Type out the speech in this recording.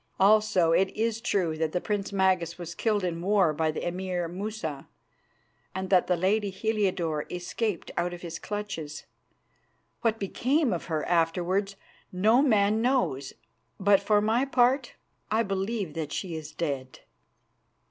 Also it is true that the Prince Magas was killed in war by the Emir Musa, and that the lady Heliodore escaped out of his clutches. What became of her afterwards no man knows, but for my part I believe that she is dead."